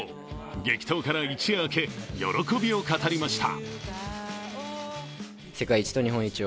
激闘から一夜明け、喜びを語りました。